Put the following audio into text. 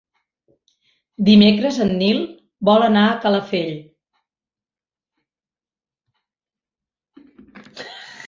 Dimecres en Nil vol anar a Calafell.